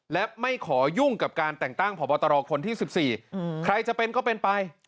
และไม่ขอยุ่งกับการแต่งตั้งพบตรคนที่๑๔ใครจะเป็นก็เป็นไป